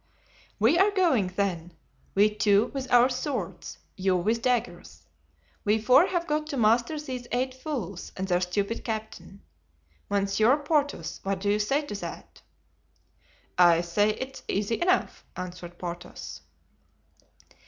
"We are going, then, we two with our swords, you with daggers. We four have got to master these eight fools and their stupid captain. Monsieur Porthos, what do you say to that?" "I say it is easy enough," answered Porthos.